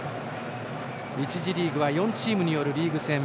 １次リーグは４チームによるリーグ戦。